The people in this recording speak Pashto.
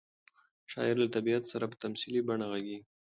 شاعر له طبیعت سره په تمثیلي بڼه غږېږي.